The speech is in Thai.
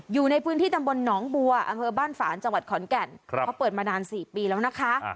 อยู่ในพื้นที่ตำบลหนองบัวอำเภอบ้านฝานจังหวัดขอนแก่นเขาเปิดมานาน๔ปีแล้วนะคะ